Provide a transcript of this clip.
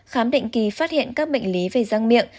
khám định kỳ phát hiện các bệnh lý về răng miệng